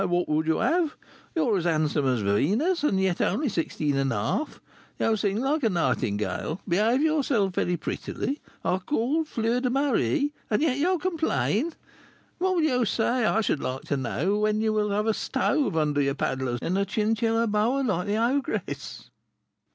Why, what would you have? You are as handsome as a Venus, and yet only sixteen and a half; you sing like a nightingale, behave yourself very prettily, are called Fleur de Marie, and yet you complain! What will you say, I should like to know, when you will have a stove under your 'paddlers,' and a chinchilla boa, like the ogress?"